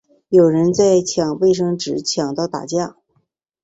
有人在抢卫生纸抢到打架